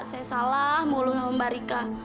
saya salah mulu sama mbak rika